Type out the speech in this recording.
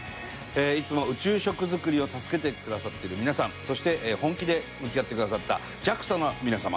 いつも宇宙食作りを助けてくださっている皆さんそして本気で向き合ってくださったＪＡＸＡの皆様